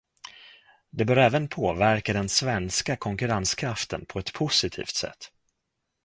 Det bör även påverka den svenska konkurrenskraften på ett positivt sätt.